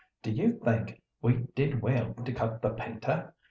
"Do you think we did well to cut the painter?